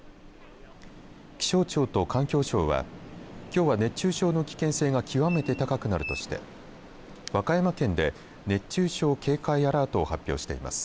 気象庁と環境省はきょうは熱中症の危険性が極めて高くなるとして和歌山県で熱中症警戒アラートを発表しています。